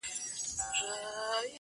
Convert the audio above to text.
نیکه جانه د جانان غمو خراب کړم،